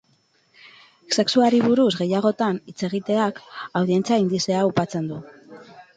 Sexuari buruz gehiagotan hitz egiteak, audientzia indizea aupatzen du.